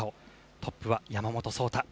トップは山本草太。